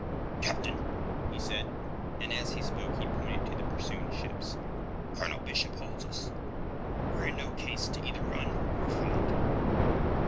"Captain," he said, and as he spoke he pointed to the pursuing ships, "Colonel Bishop holds us. We're in no case either to run or fight."